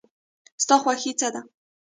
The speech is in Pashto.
ستا خوښی څه ده؟